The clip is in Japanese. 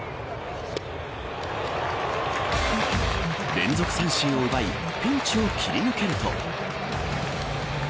連続三振を奪いピンチを切り抜けると。